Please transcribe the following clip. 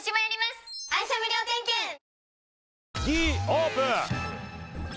Ｄオープン！